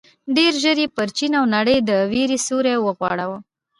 ډېر ژر یې پر چين او نړۍ د وېر سيوری وغوړاوه.